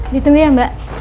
ditunggu ya mbak